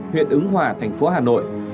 huyện ứng hòa thành phố hà nội